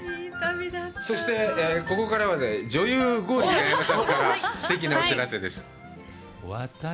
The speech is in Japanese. そしてここからは女優剛力彩芽さんからすてきなお知らせです。